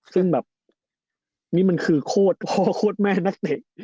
ซึ่งแบบนี่มันคือโคตรพ่อโคตรแม่นักเตะ